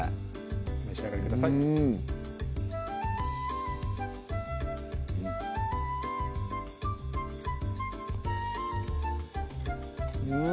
お召し上がりくださいうん！